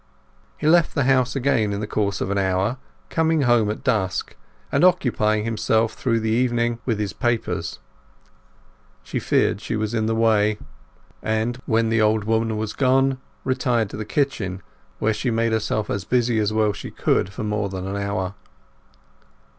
He left the house again in the course of an hour, coming home at dusk, and occupying himself through the evening with his papers. She feared she was in the way and, when the old woman was gone, retired to the kitchen, where she made herself busy as well as she could for more than an hour.